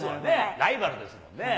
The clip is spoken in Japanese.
ライバルですもんね。